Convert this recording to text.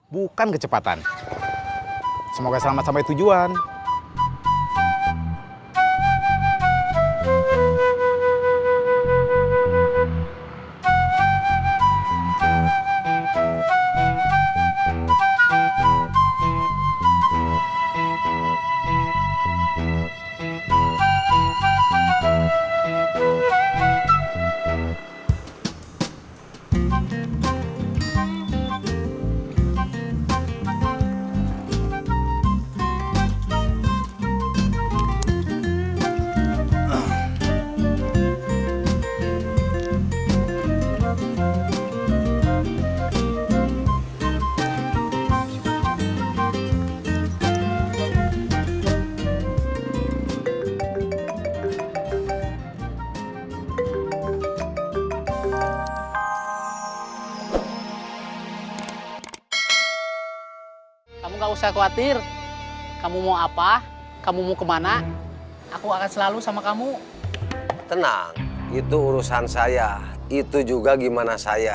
bukan kecepatan semoga selamat sampai tujuan